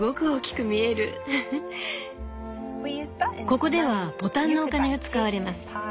「ここではボタンのお金が使われます。